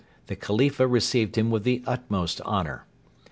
The Khalifa received him with the utmost honour.